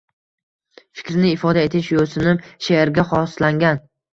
Fikrni ifoda etish yo‘sinim she’rga xoslangan.